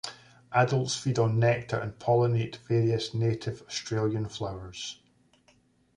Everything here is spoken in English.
Adults feed on nectar, and pollinate various native Australian flowers.